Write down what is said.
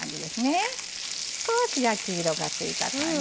少し焼き色がついた感じ。